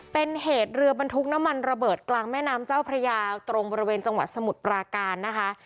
เป็นเหตุเรือบรรทุกน้ำมันระเบิดกลางแม่น้ำเจ้าพระยาตรงบริเวณจังหวัดสมุทรปราการนะคะ